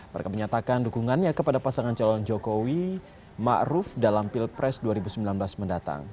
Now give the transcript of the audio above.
mereka menyatakan dukungannya kepada pasangan calon jokowi ma'ruf dalam pil pres dua ribu sembilan belas mendatang